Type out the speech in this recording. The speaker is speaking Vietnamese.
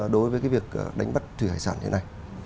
đối với việc đánh bắt thủy hải sản như thế này